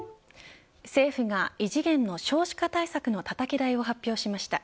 政府が、異次元の少子化対策のたたき台を発表しました。